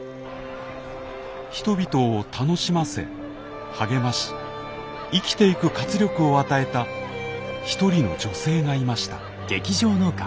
人々を楽しませ励まし生きていく活力を与えた一人の女性がいました。